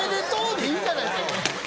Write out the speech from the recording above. でいいじゃないですか。